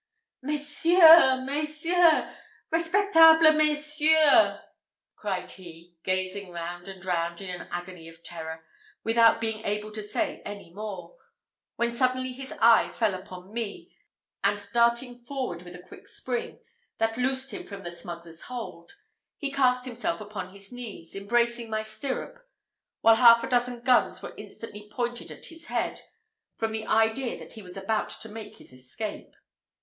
"Messieurs! messieurs! respectable messieurs!" cried he, gazing round and round in an agony of terror, without being able to say any more; when suddenly his eye fell upon me, and darting forward with a quick spring, that loosed him from the smuggler's hold, he cast himself upon his knees, embracing my stirrup; while half a dozen guns were instantly pointed at his head, from the idea that he was about to make his escape.